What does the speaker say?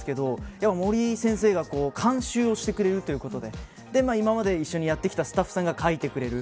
でも森先生が監修をしてくれるということで今まで一緒にやってきたスタッフさんが描いてくれる。